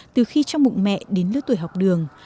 từ khi trong bụng mẹ đến lứa tuổi học đường